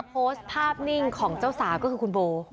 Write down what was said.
โพสต์ภาพนิ่งของเจ้าสาวก็คือคุณโบ